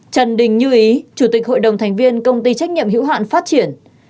trần đình như ý chủ tịch hội đồng thành viên công ty trách nhiệm hữu hạn phát triển